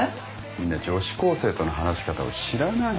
みんな女子高生との話し方を知らない。